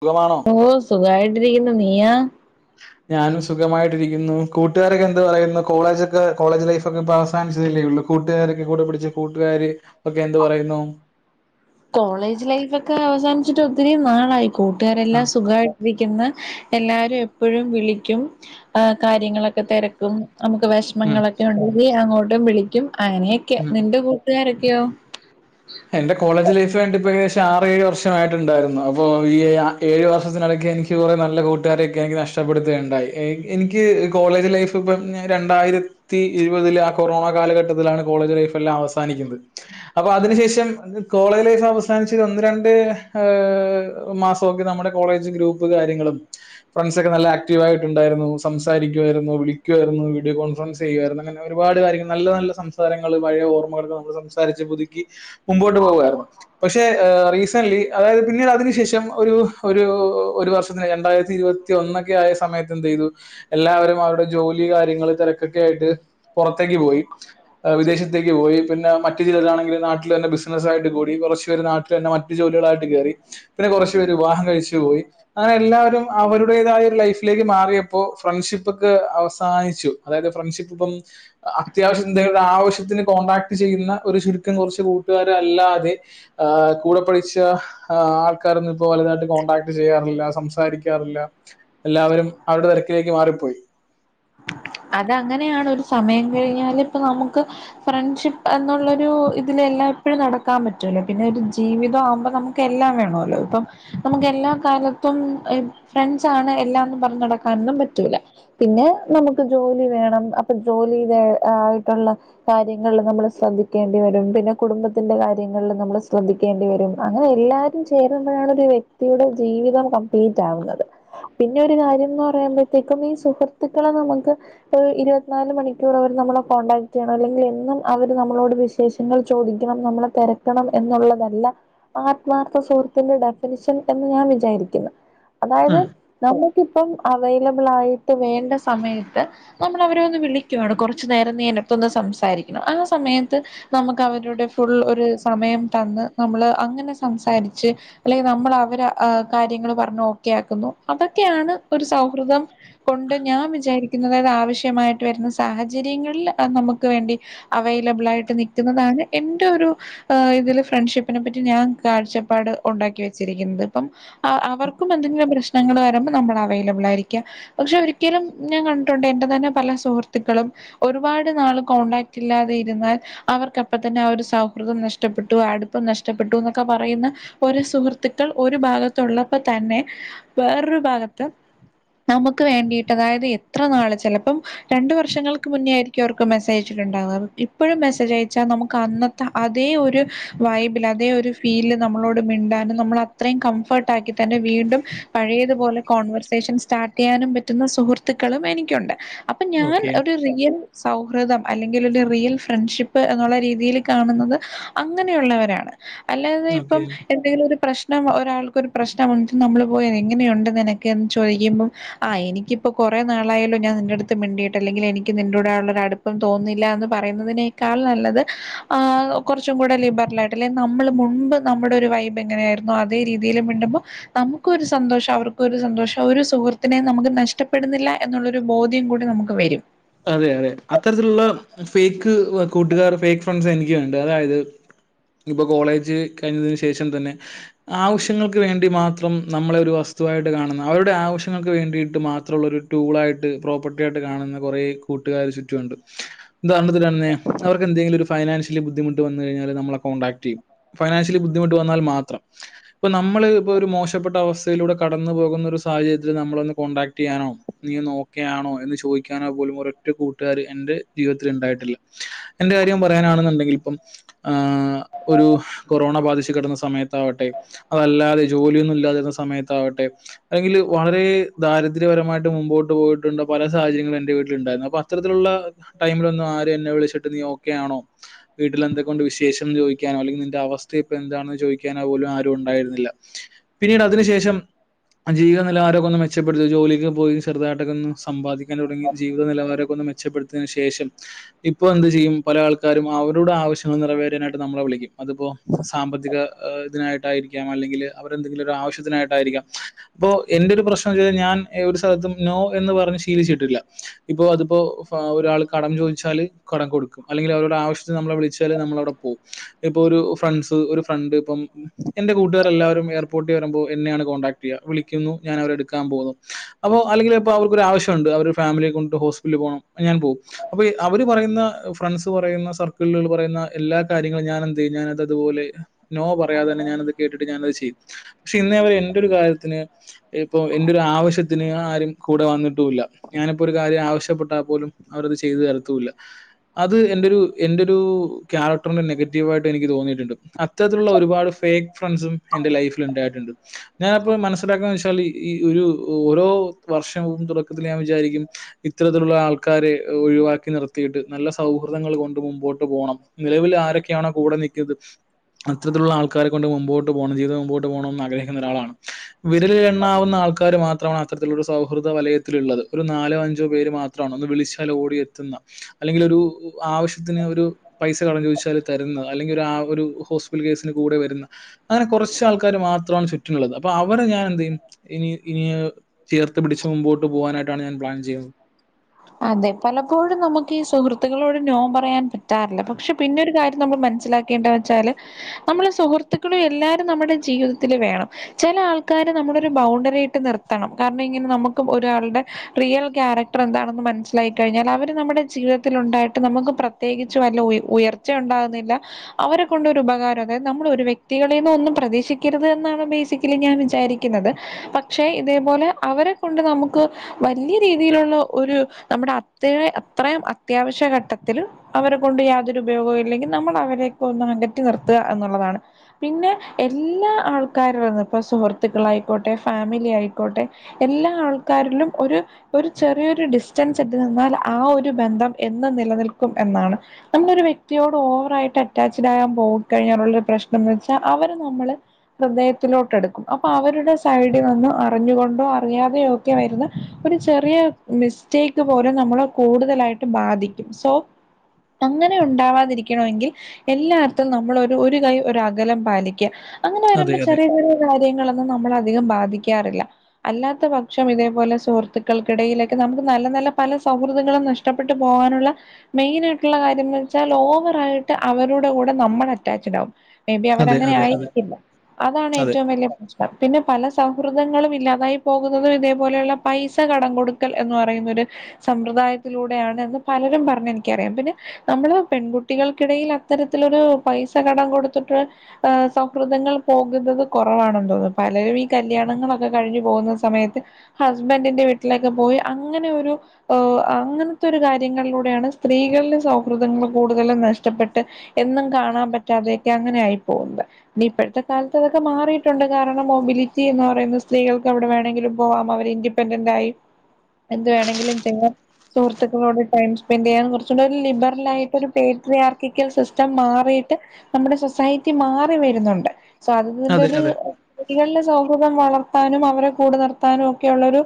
സുഖമാണോ? ഓഹ് സുഖായിട്ടിരിക്കുന്നു നീയോ? ഞാനും സുഖമായിട്ടിരിക്കുന്നു കൂട്ടുകാരൊക്കെ എന്ത് പറയുന്നു കോളേജക്കെ കോളേജ് ലൈഫ് ഒക്കെ ഇപ്പോ അവസാനിച്ചതല്ലേ ഉള്ളു. കൂട്ടുകാരൊക്കെ കൂടെ പഠിച്ച കൂട്ടുകാര് ഒക്കെ എന്ത് പറയുന്നു. കോളേജ് ലൈഫ് ഒക്കെ അവസാനിച്ചിട്ട് ഒത്തിരി നാളായി. ആ കൂട്ടുകാരെല്ലാം സുഖായിട്ടരിക്കുന്നു എല്ലാരും എ എപ്പഴും വിളിക്കും ആ കാര്യങ്ങളൊക്കെ തിരക്കും നമുക്ക് വി ഉം ഷമങ്ങളൊക്കെ ഉണ്ടെങ്കിൽ അങ്ങോട്ടും വിളിക്കും അങ്ങനെയൊക്കെ ഉം നിന്റെ കൂട്ടുകാരൊക്കെയോ? എന്റെ കോളേജ് ലൈഫ് കഴിഞ്ഞിട്ട് ഇപ്പോ ഏകദേശം ആറ് ഏഴ് വർഷആയിട്ടുണ്ടായിരുന്നു അപ്പോ ഈ ഏഴ് വർഷത്തിനിടയ്ക്ക് എനിക്ക് എനിക്ക് കുറെ നല്ല കൂട്ടുകാരൊക്കെ എനിക്ക് നഷ്ടപ്പെടുത്തുകയുണ്ടായി എനി എനിക്ക് കോളേജ് ലൈഫ് ഇപ്പം രണ്ടായിര ത്തി ഇരുപതിൽ ആ കൊറോണ കാലഘട്ടത്തിലാണ് കോളേജ് ലൈഫ് എല്ലാം അവസാനിക്കുത് അപ്പോ അതിനുശേ ഷം കോളേജ് ലൈഫ് അവസാനിച്ച ഒന്ന് രണ്ട് ഏ മാസമൊക്കെ നമ്മുടെ കോളേജ് ഗ്രൂ പ്പും കാര്യങ്ങളും ഫ്രണ്ട്സ് ഒക്കെ നല്ല ആക്റ്റീവ് ആയിട്ടുണ്ടായിരുന്നു, സംസാരിക്കുവായിരുന്നു, വിളിക്കുആയിരുന്നു, വീഡിയോ കോൺഫറൻസ് ചെയ്യുവായിരുന്നു അങ്ങനെ ഒരുപാട് കാര്യങ്ങൾ നല്ല നല്ല സംസാരങ്ങൾ പഴയ ഓർമ്മകളെല്ലാം നമ്മള് സംസാരിച്ച് പുതുക്കി. മുമ്പോട്ട് പോവുവാരുന്നു. പക്ഷേ റീസന്റ്ലി അതായത് പിന്നീട് അതിന് ശേഷം ഒരു ഒരു ഒരു വർഷത്തിന് രണ്ടായിരത്തി ഇരുപ ത്തി ഒന്നൊക്കെ ആയ സമയത്ത് എന്ത് ചെയ്തു. എല്ലാവരും അവരുടെ ജോലി കാര്യങ്ങൾ തിരക്കൊക്കെ ആയിട്ട് പുറത്തേക്ക് പോയി. ആ വിദേശത്തേക്ക് പോയി പിന്നെ മറ്റു ചിലരാണെങ്കിൽ നാ നാട്ടിൽ തന്നെ ബിസിനസ്സായിട്ട് കൂടി കുറച്ചു പേർ നാട്ടിൽ തന്നെ മറ്റു ജോലികളായിട്ട് കെറി. പിന്നെ കുറച്ചു പേര് വിവാഹം കഴിച്ചു പോയി. അങ്ങനെ എല്ലാവരും അവരുടേതായ ഒരു ലൈഫിലേക്ക് മാറിയപ്പോ ഫ്രണ്ട്ഷിപ്പ് ഒക്കെ അവസാനിച്ചു. അതായത് ഫ്രണ്ട്ഷിപ്പ് ഇപ്പം അത്യാവശ്യം എന്തങ്കിലും ഒരു ആവശ്യത്തിന് കോൺടാക്ട് ചെയ്യുന്ന ഒരു ചുരുക്കം കുറച്ച് കൂട്ടുകാരല്ലാതെ ആ കൂടെ പഠിച്ച ആഹ് ആൾക്കാരൊന്നും ഇപ്പോ വലുതായിട്ട് കോണ്ടടാക്ട് ചെയ്യാറില്ല സംസാരിക്കാറില്ല. എല്ലാവരും അവരുടെ തിരക്കിലേക്ക് മാറിപ്പോയി. അതങ്ങനെയാണ് ഒരു സമയം കഴിഞ്ഞാല് ഇപ്പോ നമുക്ക് ഫ്രണ്ട്ഷിപ്പ് എന്നുള്ളൊരു ഇതിലെ എല്ലായിപ്പോഴും നടക്കാൻ പറ്റൂല. പിന്നെ ഒരു ജീവിതം ആവുമ്പോ നമു ക്ക് എല്ലാം വേണല്ലോ ഇപ്പം നമുക്ക് എല്ലാ കാലത്തും എ ഫ്രണ്ട്സാണ് എല്ലാംന്ന് പറഞ്ഞ് നടക്കാനൊന്നും പറ്റൂല. പിന്നെ നമുക്ക് ജോലി വേണം അപ്പോ ജോലിയുടെ ആയിട്ടുള്ള കാര്യങ്ങളിൽ നമ്മൾ ശ്രദ്ധിക്കേണ്ടി വരും പിന്നെ കുടുംബത്തിന്റെ കാര്യങ്ങളിൽ നമ്മൾ ശ്രദ്ധിക്കേണ്ടി വരും അങ്ങനെ എല്ലാ ചേരുമ്പോഴാണ് ഒരു വ്യക്തിയുടെ ജീവിതം കംപ്ലീറ്റ് ആകുന്നത്. പിന്നെ ഒരു കാര്യം എന്ന് പറയുമ്പോഴത്തേക്കും ഈ സുഹൃത്തുക്കളെ നമു ത്ത് ഏഹ് ഇരുപത്തിനാല് മണിക്കൂർ അവർ നമ്മളെ കോണ്ടാക്ട് ചെയ്യണം, അല്ലെങ്കിലെന്നും അവർ നമ്മളോട് വി ശേഷങ്ങൾ ചോദിക്കണം നമ്മളെ തെരക്കണം എന്നുള്ളതല്ല ആത്മാർത്ഥ സുഹൃത്തിന്റെ ഡെഫിനിഷൻ എന്ന് ഞാൻ വിചാരിക്കുന്നു. ആ അതായത് നമുക്കിപ്പം അവൈലബിൾ ആയിട്ട് വേണ്ട സമയ ത്ത്, ഇപ്പം നമ്മളവരെ ഒന്ന് വിളിക്കുവാണ് കുറച്ചു നേരം നീയെന്റെടുത്തൊന്ന് സംസാരിക്കണം. ആ സമയത്ത് നമുക്ക് അവരുടെ ഫുൾ ഒരു സമയം തന്ന് നമ്മള് അങ്ങനെ സംസാരിച്ച് അല്ലെങ്കി നമ്മളവരെ ഏഹ് കാര്യങ്ങൾ പറഞ്ഞു ഒക്കെ ആക്കുന്നു, അതൊക്കെയാണ് ഒരു സൗഹൃദം. കൊണ്ട് ഞാൻ വിചാരിക്കുന്നത് അതായത് ആവശ്യമായിട്ട് വരുന്ന സാഹചര്യങ്ങളിൽ നമുക്ക് വേണ്ടി അവൈലബിൾ ആയിട്ട് നിക്കുന്നതാണ് എന്റെ ഒരു ഏഹ് ഇതില് ഫ്രണ്ട്ഷിപ്പിനെ പറ്റി ഞാൻ കാഴ്ചപ്പാട് ഉണ്ടാക്കി വെച്ചിരിക്കുന്നതിപ്പം. അ അവർക്കും എന്തെങ്കിലും പ്രശ്നങ്ങൾ വരുമ്പം നമ്മളും അവൈലബിൾ ആയിരിക്ക്യ. പക്ഷെ ഒരിക്കലും ഞാൻ കണ്ട് ട്ടുണ്ട്. എന്റെ തന്നെ പല സുഹൃത്തുക്കളും ഒരുപാട് നാള് കോണ്ടാക്ട് ഇല്ലാതെ ഇരുന്നാൽ അവർക്കപ്പ തന്നെ ആ ഒരു സൗഹൃദം നഷ്ടപ്പെട്ടു, അടുപ്പം നഷ്ടപ്പെട്ടു ന്നൊക്ക പറയുന്ന ഒരു സുഹൃത്തുക്കൾ ഒരു ഭാഗത്തുള്ളപ്പ തന്നെ വേറൊരു ഭാഗത്ത് നമുക്ക് വേണ്ടീട്ട് അതായത് എത്ര നാള് ചെലപ്പം രണ്ടു വർഷങ്ങൾക്ക് മുന്നേ ആയിരിക്കും അവർക്ക് മെസ്സേജ്യച്ചിട്ടുണ്ടാവാ. ഇപ്പഴും മെസ്സേജ് അയച്ചാ നമുക്ക് അന്ന ത്ത അതേ ഒരു വൈബിൽ അതേ ഒരു ഫീലിൽ നമ്മളോട് മിണ്ടാനും നമ്മള ത്രയും കംഫർട്ട് ആക്കി തന്നെ വീണ്ടും പഴയതുപോലെ കോൺവെർസേഷൻ സ്റ്റാർട്ട് ചെയ്യാനും പറ്റുന്ന സുഹൃ ത്ത്ക്കളും എനിക്കുണ്ട്. അപ്പൊ ഞാൻ ഓക്കെ ഒരു റിയൽ സൗഹൃദം അല്ലെങ്കിലൊല് റിയൽ ഫ്രണ്ട്ഷിപ്പ് എന്നുള്ള രീതിയിൽ കാണുന്നത് അങ്ങനെയുള്ളവരെയാണ്. അല്ലാതെ ഇപ്പം ഓക്കെ എന്തെങ്കിലും ഒരു പ്രശ്നം ഒരാൾക്ക് ഒരു പ്രശ്നമുണ്ട്, നമ്മൾ പോയത് എങ്ങനെയുണ്ടെന്ന് നിനക്ക് എന്ന് ചോയിക്ക്യുമ്പം ആഹ് എനിക്കി പ്പൊ കൊറേ നാളായല്ലോ ഞാൻ നിന്റെടുത്ത് മിണ്ടിയിട്ട് അല്ലെങ്കിലെനിക്ക് നിന്റൂടെ ആ ഉള്ളൊരടുപ്പം തോന്നുന്നില്ല എന്ന് പറയുന്നതിനേ ക്കാൾ നല്ലത് ആ കുറച്ചും കൂടെ ലിബറൽ ആയിട്ട് അല്ലെങ്കിൽ നമ്മൾ മുൻപ് നമ്മുടെ ഒരു വൈബ് എങ്ങനെയായിരു ന്നോ അതേ രീതിയിൽ മിണ്ടുമ്പം നമുക്കൊരു സന്തോഷം, അവർക്ക് ഒരു സന്തോഷം. ഒരു സുഹൃത്തിനെയും നമുക്ക് നഷ്ട ടപെടുന്നില്ല എന്നുള്ളൊരു ബോധ്യം കൂടി നമുക്ക് വെരും. അതെ അതെ അത്തരത്തിലുള്ള ഫേക്ക് വ കൂട്ടുകാർ ഫേക്ക് ഫണ്ട്സ് എനിക്ക്യൂണ്ട്. അതായത് ഇപ്പം കോളേജ് കഴിഞ്ഞതിന് ശേഷം തന്നെ ആവശ്യങ്ങൾക്ക് വേണ്ടി മാത്രം നമ്മളെ ഒരു വസ്തുവായിട്ട് കാണുന്ന, അവരുടെ ആവശ്യങ്ങൾക്ക് വേണ്ടിയിട്ട് മാത്രം ഉള്ള ഒരു റ്റൂളായിട്ട് പ്രോപ്പർട്ടി ആയിട്ട് കാണുന്ന കുറേ കൂട്ടുകാര് ചുറ്റുമുണ്ട്. ഉദാഹരണത്തിനു തന്നെ അവർക്ക് എന്തെങ്കിലും ഫൈനാൻഷ്യലി ബുദ്ധിമുട്ട് വന്നു കഴിഞ്ഞാല് നമ്മളെ കോണ്ടാക്ട് ചെയ്യും. ഫൈനാൻഷ്യലി ബുദ്ധിമുട്ട് വന്നാൽ മാത്രം. ഇപ്പം നമ്മള് ഇപ്പോ ഒരു മോശപ്പെട്ട അവസ്ഥയിലൂടെ കടന്നു പോകുന്ന ഒരു സാഹചര്യത്തിൽ നമ്മളൊന്ന് കോൺടാക്ടെയ്യാനോ നീയൊന്ന് ഓക്കെയാണോ എന്ന് ചോദിക്കാനോ പോലും ഒരൊ റ്റ കൂട്ടുകാര് എന്റെ ജീവിതത്തില് ണ്ടായിട്ടില്ല. എന്റെ കാര്യം പറയാനാണെന്നുണ്ടെങ്കിൽ ഇപ്പം ആഹ് ഒരു കൊറോണ ബാധിച്ചു കിടന്ന സമയത്താവട്ടെ അതല്ലാതെ ജോലിയൊന്നും ഇല്ലാതിരുന്ന സമയത്താവട്ടെ അല്ലെങ്കില് വളരെ ദാരിദ്ര്യപരമായിട്ട് മുമ്പോട്ട് പോയിട്ടുണ്ട് പല സാഹചര്യങ്ങളും എന്റെ വീട്ടിലുണ്ടായിരുന്നു. അ പ്പ അത്തരത്തിലുള്ള ടൈമിലൊന്നും ആരും എന്നെ വിളിച്ചിട്ട് നീ ഓക്കെ ആണോ വീട്ടിൽ എന്തെക്കൊണ്ട് വിശേഷംന്ന് ചോയിക്ക്യാനോ അല്ലെങ്കി നിന്റെ അവസ്ഥ ഇപ്പൊ എന്താണെന്ന് ചോയിക്ക്യാനോ പോലും ആരും ഉണ്ടായിരുന്നില്ല. പിന്നീടതിനു ശേഷം അ ജീവിത നിലവാരൊക്കാന്ന് മെച്ചപ്പെടുത്തി ഒര് ജോലിക്ക് പോയി ചെറുതായിട്ടൊക്കൊന്ന് സമ്പാദിക്കാൻ തുടങ്ങി ജീവിത നിലവാര ക്കൊന്ന് മെച്ചപ്പെടുത്തിയതിന് ശേഷം ഇപ്പൊ എന്ത് ചെയ്യും പല ആൾക്കാരും അവരുടെ ആവശ്യങ്ങൾ നിറവേറാനായിട്ട് നമ്മളെ വിളിക്കും. അത്പ്പോ സാമ്പത്തിക ഇതിനായിട്ടായിരിക്കാം, അല്ലെങ്കിൽ അവരെ എന്തെങ്കിലും ഒരു ആവശ്യത്തിനായിട്ടായിരിക്കാം അപ്പൊ എന്റെ ഒരു പ്രശ്നന്ന് വച്ചൽ ഞാൻ ഒരു സ്ഥലത്തും നോ എന്ന് പറഞ്ഞ് ശീലിച്ചിട്ടില്ല ഇപ്പൊ അത് ഇപ്പോ ഒരാള് കടം ചോദിച്ചാല് കടം കൊടുക്കും അല്ലെങ്കിൽ അവരുടെ ആവശ്യത്തിന് നമ്മളെ വിളിച്ചാല് നമ്മളവിടെ പോവും ഇപ്പൊ ഒരു ഫ്രണ്ട്സ് ഒരു ഫ്രണ്ട് ഇപ്പം എന്റെ കൂട്ടുകാർ എല്ലാവരും എയർപോർട്ടിൽ വരുമ്പോ എന്നെയാണ് കോൺടാക്ട് ചെയ്യാ വിളിക്കുന്നു ഞാൻ അവരെ എടുക്കാൻ പോകുന്നു അപ്പൊ അല്ലെങ്കിൽ ഇപ്പോ അവർക്കൊരാവശ്യുണ്ട്. അവരു ഒരു ഫാമിലിയെ കൊണ്ട് ഹോസ് പിറ്റല് പോണം ഞാൻ പോവും. അപ്പൊ അവര് പറയുന്ന ഫ്രണ്ട്സ് പറയുന്ന സർക്കിളുകൾ പറയുന്ന എല്ലാ കാര്യങ്ങളും ഞാൻ എന്ത് ചെയ്യും ഞാനത് അതുപോലെ നോ പറയാതെ തന്നെ ഞാനത് കേട്ടിട്ട് ഞാനത് ചെയ്യും. പക്ഷെ ഇന്നേ അവരെ എന്റെ ഒരു കാര്യത്തിന് ഇപ്പൊ എന്റെ ഒരു ആവശ്യത്തിന് ആരും കൂടെ വന്നിട്ടുല്ല ഞാനിപ്പോ ഒരു കാര്യം ആവശ്യ പ്പെട്ടാൽ പോലും അവർ അത് ചെയ്തു തരത്തൂല്ല. അത് എന്റെ ഒരു എന്റെ ഒരു ക്യാരക്ടറിന്റെ നെഗറ്റീവ് ആയിട്ട് എനിക്ക് തോന്നിയിട്ടുണ്ട് ഇത്തരത്തിലുള്ള ഒരുപാട് ഫേക്ക് ഫ്രണ്ട്സും എന്റെ ലൈഫിൽ ഉണ്ടായിട്ടുണ്ട്. ഞാനിപ്പോ മനസ്സിലാക്കുന്നത് എന്ന് വെച്ചാൽ ഈ ഒരു ഓരോ വർഷം തുടക്കത്തിൽ ഞാൻ വിചാരിക്കും ഇത്തരത്തിലുള്ള ആൾക്കാരെ ഒഴിവാക്കി നിർത്തിയിട്ട് നല്ല സൗഹൃദങ്ങൾ കൊണ്ട് മുമ്പോട്ട് പോണം നിലവിൽ ആരൊക്കെയാണോ കൂടെ നിൽക്കുന്നത് അത്തരത്തിലുള്ള ആൾക്കാരെ കൊണ്ട് മുമ്പോട്ട് പോകണം. ജീവിതം മുമ്പോട്ട് പോകണമെന്ന് ആഗ്രഹിക്കുന്ന ഒരാളാണ് വിരലിൽ എണ്ണാവുന്ന ആൾക്കാർ മാത്രമാണ് അത്തരത്തിലൊരു സൗഹൃദ വലയത്തിലുള്ളത് ഒരു നാലോ അഞ്ചോ പേര് മാത്രമാണ് ഒന്ന് വിളിച്ചാൽ ഓടി എത്തുന്ന അല്ലെങ്കിൽ ഒരു ആവശ്യത്തിന് ഒരു പൈസ കടം ചോദിച്ചാല് തരുന്ന അല്ലെങ്കിൽ ആ ഒരു ഹോസ്പിറ്റൽ കേസിന് കൂടെ വരുന്ന അങ്ങനെ കുറച്ചു ആൾക്കാര് മാത്രമാണ് ചുറ്റിനുള്ളത് അപ്പൊ അവരെ ഞാൻ എന്ത് ചെയ്യും ഇനി ഇനി ചേർത്ത് പിടിച്ച് മുമ്പോട്ട് പോകാനായിട്ടാണ് ഞാൻ പ്ലാൻ ചെയ്യുന്നത് അതെ പലപ്പോഴും നമുക്ക് ഈ സുഹൃത്തുക്കളോട് നോ പറയാൻ പ റ്റാറില്ല പക്ഷെ പിന്നെ ഒരു കാര്യം നമ്മൾ മനസ്സിലാക്കേണ്ടതന്നു വെച്ചാല് നമ്മളുടെ സുഹൃത്തുക്കളും എല്ലാരും നമ്മുടെ ജീവിതത്തില് വേണം ചില ആൾക്കാരെ നമ്മൾ ഒരു ബൗണ്ടറി ഇട്ട് നിർത്ത ത്തണം കാരണം ഇങ്ങനെ നമുക്ക് ഒരാളുടെ റിയൽ ക്യാരക്ടർ എന്താണ് ന്ന് മനസ്സിലായി കഴിഞ്ഞാൽ അവർ നമ്മുടെ ജീവിതത്തിൽ ഉണ്ടായിട്ട് നമുക്ക് പ്രത്യേകിച്ച് വല്യ ഉയർ ഉയർച്ചയും ഉണ്ടാകുന്നില്ല അവരെ കൊണ്ടരു ഉപകാരം അതായത് നമ്മൾ ഒരു വ്യക്തികളിൽ നിന്നും ഒന്നും പ്രതീക്ഷിക്കരുത് എന്നാണ് ബേസിക്കലി ഞാൻ വിചാരിക്കു ക്കുന്നത് പക്ഷെ ഇതേപോലെ അവരെ കൊണ്ട് നമുക്ക് വലിയ രീതിയിലുള്ള ഒരു നമ്മുടെ അത്ര അത്രയും അത്യാവശ്യ ഘട്ടത്തില് അവരെ കൊണ്ട് യാതൊരു ഉപയോഗവും ഇല്ലെങ്കിൽ നമ്മൾ അവരെയൊക്കെ ഒന്ന് അകറ്റി നിർത്തുക എന്നുള്ളതാണ് പിന്നെ എല്ലാ ആൾക്കാരുടെ ഇപ്പൊ സുഹൃത്തുക്കളായിക്കോട്ടെ ഫാമിലി ആയിക്കോട്ടെ എല്ലാ ആൾക്കാരിലും ഒരു ഒരു ചെറിയൊരു ഡിസ് റ്റൻസ് ഇട്ട് നിന്നാൽ ആ ഒരു ബന്ധം എന്നും നിലനിൽക്കും എന്നാണ് നമ്മളൊരു വ്യക്തിയോട് ഓവറയിട്ട് അറ്റാച്ചഡ് ആകാൻ പോയി കഴിഞ്ഞാലുള്ളൊരു പ്രശ്നം എന്താണ് വെച്ചാൽ അവര് നമ്മളെ ഹൃദയത്തിലോട്ട് എടുക്കും അപ്പൊ അവരുടെ സൈഡിൽ നിന്ന് അറിഞ്ഞുകൊണ്ടോ അറിയാതെയോക്കെ യിരുന്ന ഒരു ചെറിയ മിസ് റ്റേക്ക് പോലും നമ്മളെ കൂടുതലായിട്ട് ബാധിക്കും സോ അങ്ങനെ ഉണ്ടാവാതിരിക്കണമെങ്കിൽ എല്ലാടുത്തും നമ്മൾ ഒരു ഒരു കൈ ഒരു അകലം പാലിക്കുക അങ്ങനെ അതെ വരുമ്പോൾ അതെ ചെറിയ ചെറിയ കാര്യങ്ങളൊന്നും നമ്മളെ അധികം ബാധിക്കാറില്ല അല്ലാത്ത പക്ഷം ഇതേപോലെ സുഹൃത്തുക്കൾക്കിടയിലൊക്കെ നമ്മു നല്ല നല്ല പല സൗഹൃദങ്ങളും നഷ്ടപ്പെട്ടു പോകാനുള്ള മെയിൻ ആയിട്ടുള്ള കാര്യന്ന് വെച്ചാൽ ഓവർ ആയിട്ട് അവരുടെ കൂടെ നമ്മൾ അറ്റാച്ഡ് ആകും മേ ബി അതെ അവരങ്ങനെ അതെ അതെ ആയിരിക്കില്ല അതാണ് അതെ ഏറ്റവും വലിയ പ്രശ്നം പത്തിൻ്റെ പല സൗഹൃദങ്ങളും ഇല്ലാതായി പോകുന്നതും ഇതേപോലെയുള്ള പൈസ കടം കൊടുക്കൽ എന്ന് പറ പറയുന്ന ഒരു സമ്പ്രദായത്തിലൂടെയാണ് എന്ന് പലരും പറഞ്ഞ് എനിക്കറിയാം പിന്നെ നമ്മള് പെൺകുട്ടികൾക്കിടയിൽ അത്തരത്തിലൊരു പൈസ കടം കൊടുത്തിട്ട് സൗഹൃദങ്ങൾ പോകുന്നത് കുറവാണെന്ന് തോന്നുന്നു പലരും ഈ കല്യാണങ്ങളൊക്കെ കഴിഞ്ഞു പോകുന്ന സമയത്ത് ഹസ്ബൻറിന്റെ വീട്ടിലേക്ക് പോയി അങ്ങനെ ഒരു അങ്ങനത്തെ ഒരു കാര്യങ്ങളിലൂടെയാണ് സ്ത്രീകളുടെ സൗഹൃദങ്ങൾ കൂടുതലും നഷ്ടപ്പെട്ട് എന്നും കാണാൻ പറ്റാതെയൊക്കെ അങ്ങനെ ആയി പോകുക ഇനി ഇപ്പോഴത്തെ കാലത്ത് അതൊക്കെ മാറിയിട്ടുണ്ട് കാരണം മൊബിലിറ്റി എന്ന് പറയുന്ന സ്ത്രീകൾക്ക് എവിടെ വേണമെങ്കിലും പോവാം അവർ ഇൻഡി പെൻഡണ്ടായി എന്തു വേണമെങ്കിലും ചെയ്യാം സുഹൃത്തുക്കളോട് ടൈം സ്പെൻഡ് ചെയ്യാം കുറച്ചൂടെ ഒരു ലിബറൽ ആയിട്ട് ഒരു പേട്രിയാർക്കിക്കൽ സിസ്റ്റം മാറിയിട്ട് നമ്മുടെ സൊസൈറ്റി മാറി വരുന്നുണ്ട് സോ അത് അതെ ഇതിൻ്റെത് അതെ സ്ത്രീകളുടെ സൗഹൃദം വളർത്താനും അവരെ കൂടെ നിർത്താനും ഒക്കെ ഉള്ളൊരു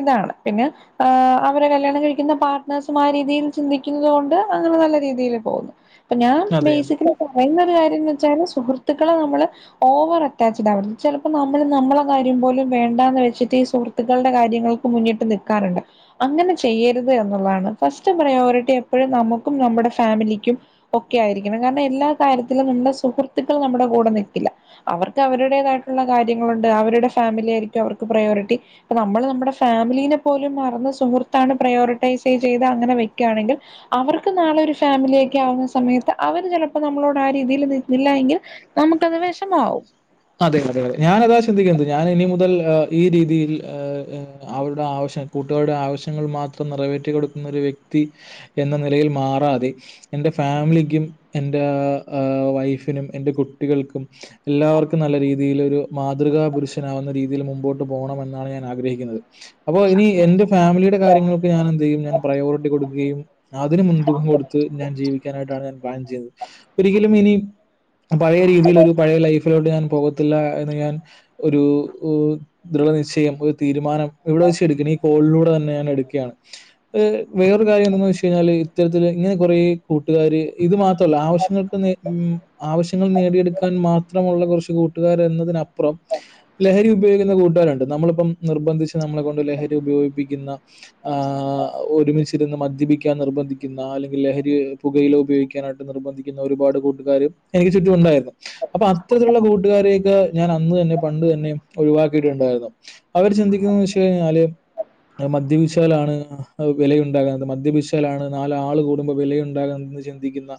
ഇതാണ് പിന്നെ ആ അവരെ കല്യാണം കഴിക്കുന്ന പാർട്ട്നേഴ്സും ആ രീതിയിൽ ചിന്തിക്കുന്നുന്നത് കൊണ്ട് അങ്ങനെ നല്ല രീതിൽ പോകുന്നു അപ്പൊ ഞാൻ അതെ അതെ ബേസിക്കലി പറയുന്ന ഒരു കാര്യംന്ന് വെച്ചാല് സുഹൃത്തുക്കളെ നമ്മള് ഓവർ അറ്റാച്ചഡ് ആവരുത് ചിലപ്പോ നമ്മൾ നമ്മളെ കാര്യം പോലും വേണ്ടാന്ന് വെച്ചിട്ട് ഈസുഹൃ ത്തുക്കളുടെ കാര്യങ്ങൾക്ക് മുന്നിട്ട് നിൽക്കാറുണ്ട് അങ്ങനെ ചെയ്യരുത് എന്നതാണ്, ഫസ്റ്റ് പ്രയോറിറ്റി എപ്പോഴും നമുക്കും നമ്മുടെ ഫാമിലിക്കും ഒക്കെ ആയിരിക്കണം കാരണം എല്ലാ കാര്യത്തിലും നമ്മുടെ സുഹൃത്തുക്കൾ നമ്മുടെ കൂടെ നിൽക്കില്ല അവർക്ക് അവരുടേതായിട്ടുള്ള കാര്യങ്ങളുണ്ട് അവരുടെ ഫാമിലി ആയിരിക്കും അവർക്ക് പ്രയോറിറ്റി ഇപ്പ നമ്മള് നമ്മുടെ ഫാമിലീനെ പോലും മറന്ന് സുഹൃത്താണ് പ്രയോറിറ്റൈസ് ചെയ്ത് അങ്ങനെ വെക്കുകയാണെങ്കിൽ അവർക്ക് നാളെ ഒരു ഫാമിലിയൊക്കെ ആവുന്ന സമയത്ത് അവര് ചിലപ്പോ നമ്മളോട് ആ രീതിൽ നിന്നില്ല എങ്കിൽ നമുക്കത് വിഷമാവും അതെ അതെ ഞാനതാ ചിന്തിക്കാത്തെ ഞാനിനി മുതൽ ഈ രീതിയിൽ അവരുടെ ആവശ്യ കൂട്ടുകാരുടെ ആവശ്യങ്ങൾ മാത്രം നിറവേറ്റി കൊടുക്കുന്ന ഒരു വ്യക്തി എന്ന നിലയിൽ മാറാതെ എന്റെ ഫാമിലിക്കും എന്റെ വൈഫിനും എന്റെ കുട്ടികൾക്കും എല്ലാവർക്കും നല്ല രീതിയിൽ ഒരു മാതൃകാപുരുഷനാവുന്ന രീതിയിൽ മുമ്പോട്ട് പോകണമെന്നാണ് ഞാൻ ആഗ്രഹിക്കുന്നത് അപ്പൊ ഇനി എന്റെ ഫാമിലിയുടെ കാര്യങ്ങൾക്ക് ഞാനെന്ത് ചെയ്യും ഞാൻ പ്രയോറിറ്റി കൊടുക്കുകയും അതിന് മുൻതൂക്കം കൊടുത്ത് ഞാൻ ജീവിക്കാനായിട്ടാണ് ഞാൻ പ്ലാൻ ചെയ്യുന്നത് ഒരിക്കലും ഇനി പഴയ രീതിയിലൊരു പഴയ ലൈഫിലോട്ട് ഞാൻ പോകത്തില്ല എന്ന് ഞാൻ ഒരു ദൃഢനിശ്ചയം ഒരു തീരുമാനം ഇവിടെ വെച്ച് എടുക്കണ ഈ കോളിലൂടെ തന്നെ ഞാൻ എടുക്കയാണ് വേറൊ കാര്യന്തന്നു വെച്ച് ഴിഞ്ഞാല് ഇത്തരത്തില് ഇങ്ങനെ കൊറേ കൂട്ടുകാര് ഇത് മാത്രല്ല ആവശ്യങ്ങൾക്ക് [unintelligible] ആവശ്യങ്ങൾ നേടിയെടുക്ക ൻ മാത്രമുള്ള കൊറച്ച് കൂട്ടുകാര് എന്നതിനപ്പറം ലഹരി ഉപയോഗിക്കുന്ന കൂട്ടാരുണ്ട് നമ്മള്പ്പം നിർബന്ധിച്ച് നമ്മളെ കൊണ്ട് ലഹരി ഉപയോഗിപ്പിക്കുന്ന ആ ഒരുമിച്ചിരുന്ന് മദ്യപിക്കാൻ നിർബന്ധിക്കുന്ന അല്ലെങ്കിൽ ലഹരി പുകയില ഉപയോഗിക്കാനായിട്ട് നിർബന്ധിക്കുന്ന ഒരുപാട് കൂട്ടുകാര് എനിക്കു ചുറ്റുമുണ്ടായിരുന്നു അപ്പൊ അത്തരത്തിലുള്ള കൂട്ട് ട്ടുകാരെയൊക്കെ ഞാൻ അന്ന് തന്നെ പണ്ട് തന്നെ ഒഴിവാക്കിയിട്ട്ണ്ടായിരുന്നു അവര് ചിന്തിക്കുന്നത് വെച്ച്കഴിഞ്ഞാല് മദ്യപിച്ചവലാണ് വിലയുണ്ടാകുന്നത് മദ്യപച്ചാലാണ് നാലാള് കൂടുമ്പോ വിലയുണ്ടാകുന്നത് ചിന്ത് ചിന്തിക്കുന്ന